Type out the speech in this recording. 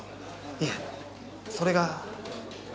いえそれが。